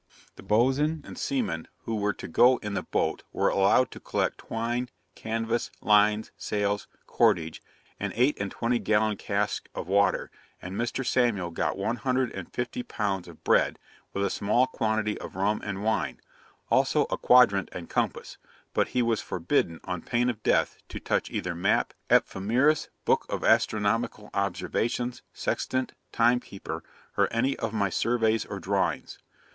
The boatswain and seamen who were to go in the boat, were allowed to collect twine, canvas, lines, sails, cordage, an eight and twenty gallon cask of water; and Mr. Samuel got one hundred and fifty pounds of bread, with a small quantity of rum and wine, also a quadrant and compass; but he was forbidden, on pain of death, to touch either map, ephemeris, book of astronomical observations, sextant, timekeeper, or any of my surveys or drawings.